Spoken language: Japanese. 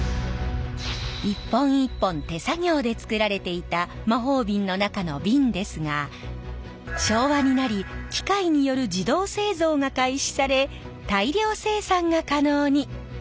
一本一本手作業でつくられていた魔法瓶の中の瓶ですが昭和になり機械による自動製造が開始され大量生産が可能に！